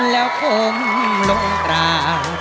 แล้วผมลงตรา